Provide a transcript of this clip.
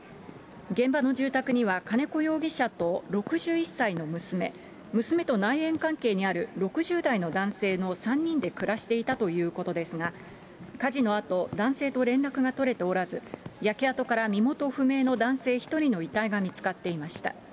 現場の住宅には金子容疑者と６１歳の娘、娘と内縁関係にある６０代の男性の３人で暮らしていたということですが、火事のあと、男性と連絡が取れておらず、焼け跡から身元不明の男性１人の遺体が見つかっていました。